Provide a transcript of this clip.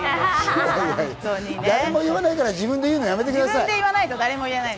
誰も言わないから自分で言うのやめてください。